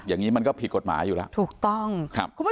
อย่างนี้มันก็ผิดกฎหมาอยู่แล้ว